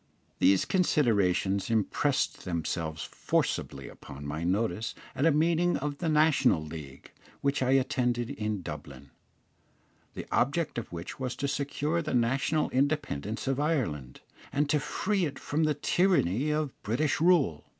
These considerations impressed themselves forcibly upon my notice at a meeting of the National League, which I attended in Dublin, the object of which was to secure the national independence of Ireland, and to free it from the tyranny of British rule.